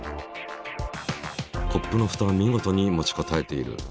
コップのふたはみごとに持ちこたえている。